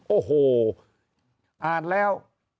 โอ้โหอ่านแล้ว